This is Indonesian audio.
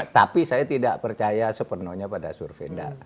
tapi saya tidak percaya sepenuhnya pada survei data